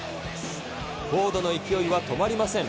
フォードの勢いは止まりません。